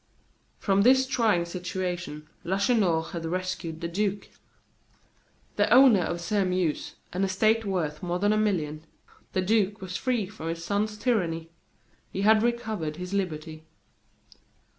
From this trying situation, Lacheneur had rescued the duke. The owner of Sairmeuse, an estate worth more than a million, the duke was free from his son's tyranny; he had recovered his liberty.